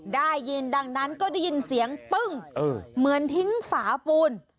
ได้ยินดังนั้นก็ได้ยินเสียงปึ้งเหมือนทิ้งฝาปูน